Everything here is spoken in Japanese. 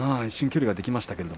一瞬距離ができました。